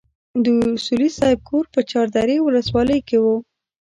د اصولي صیب کور په چار درې ولسوالۍ کې وو.